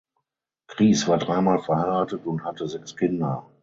Kries war dreimal verheiratet und hatte sechs Kinder.